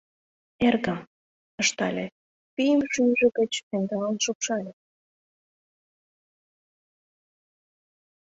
— Эргым... — ыштале, пийым шӱйжӧ гыч ӧндалын шупшале.